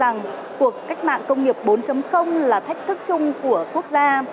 chúng tôi cho rằng cuộc cách mạng công nghiệp bốn là thách thức chung của quốc gia